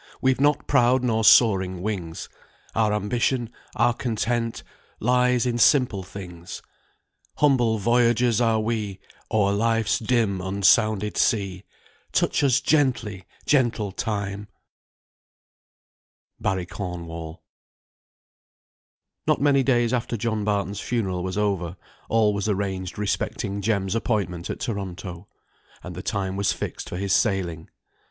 We've not proud nor soaring wings, Our ambition, our content, Lies in simple things; Humble voyagers are we O'er life's dim unsounded sea; Touch us gently, gentle Time!" BARRY CORNWALL. Not many days after John Barton's funeral was over, all was arranged respecting Jem's appointment at Toronto; and the time was fixed for his sailing.